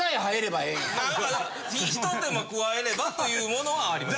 何かひと手間加えればというものはあります。